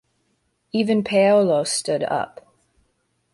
Even Paolo stood up.